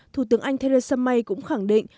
thủ tướng anh theresa may cũng khẳng định